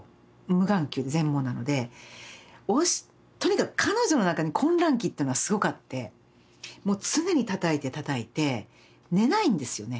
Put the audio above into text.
無眼球全盲なのでとにかく彼女の中に混乱期っていうのはすごくあってもう常にたたいてたたいて寝ないんですよね。